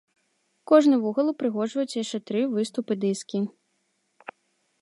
Кожны вугал упрыгожваюць яшчэ тры выступы-дыскі.